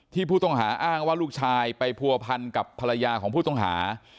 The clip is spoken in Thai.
ผู้ต้องหาอ้างว่าลูกชายไปผัวพันกับภรรยาของผู้ต้องหา